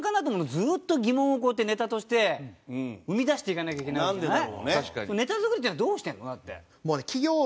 ずーっと疑問をこうやってネタとして生み出していかなきゃいけないわけじゃない？